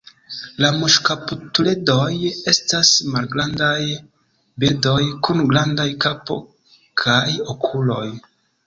La muŝkaptuledoj estas malgrandaj birdoj kun grandaj kapo kaj okuloj.